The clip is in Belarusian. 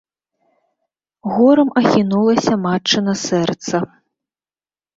Горам ахінулася матчына сэрца.